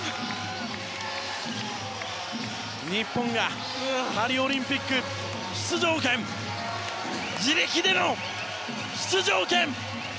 日本がパリオリンピック出場権自力での出場権！